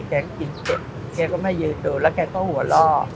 เดินแล้วแกก็หัวเล่า